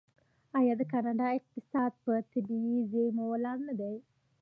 آیا د کاناډا اقتصاد په طبیعي زیرمو ولاړ نه دی؟